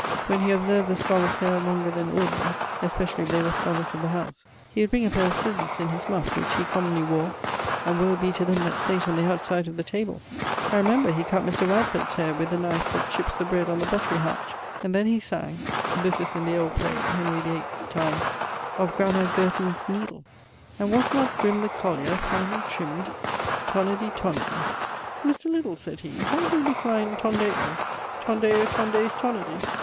When he observed the scolars' haire longer then ordinary (especially if they were scholars of the howse), he would bring a paire of cizers in his muffe (which he commonly wore), and woe be to them that sate on the outside of the table[I]. I remember he cutt Mr. Radford's haire with the knife that chipps the bread on the buttery hatch, and then he sang (this is in the old play Henry VIII<'s time> of Grammar Gurton's needle) 'And was not Grim the collier finely trimm'd? Tonedi, Tonedi.' 'Mr.[J] Lydall,' sayd he, 'how doe you decline tondeo? Tondeo, tondes, tonedi?'